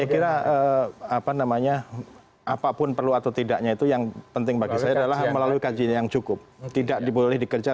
ketidaknya itu yang penting bagi saya adalah melalui kajian yang cukup tidak diboleh dikejar